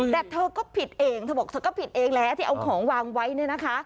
แต่เธอก็ผิดเองเธอบอกเธอก็ผิดเองแล้วที่เอาของวางไว้เนี่ยนะคะ